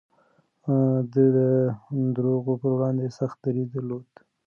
ده د دروغو پر وړاندې سخت دريځ درلود.